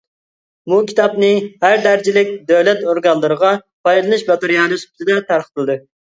بۇ كىتابنى ھەر دەرىجىلىك دۆلەت ئورگانلىرىغا پايدىلىنىش ماتېرىيالى سۈپىتىدە تارقىتىلدى.